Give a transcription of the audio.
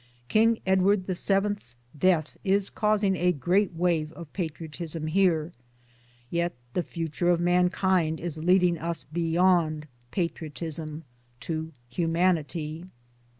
King Edward VI I' s death is causing a great wave of patriotism here ; yet the future of mankind is leading us beyond patriotism to humanity.